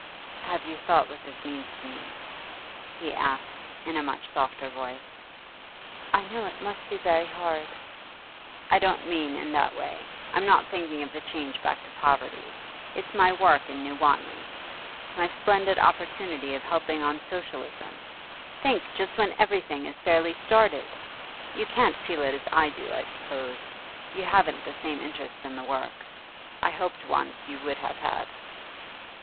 'Have you thought what this means to me?' he asked, in a much softer voice. 'I know it must be very hard.' 'I don't mean in that way. I'm not thinking of the change back to poverty. It's my work in New Wanley; my splendid opportunity of helping on Socialism. Think, just when everything is fairly started! You can't feel it as I do, I suppose. You haven't the same interest in the work. I hoped once you would have had.